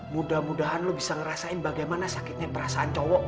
mudah mudahan lo bisa ngerasain bagaimana sakitnya perasaan cowok